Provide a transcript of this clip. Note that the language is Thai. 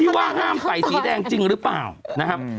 ว่าห้ามใส่สีแดงจริงหรือเปล่านะครับ